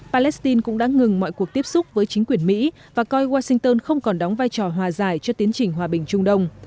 palestine cũng đã ngừng mọi cuộc tiếp xúc với chính quyền mỹ và coi washington không còn đóng vai trò hòa giải cho tiến trình hòa bình trung đông